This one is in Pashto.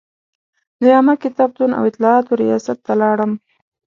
د عامه کتابتون او اطلاعاتو ریاست ته لاړم.